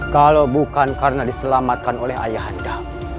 kalau bukan karena diselamatkan oleh ayah anda